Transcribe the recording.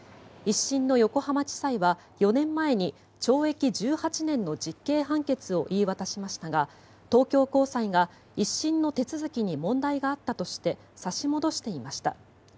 １審の横浜地裁は４年前に懲役１８年の実刑判決を言い渡しましたが東京高裁が１審の手続きに問題があったとして差し戻していました。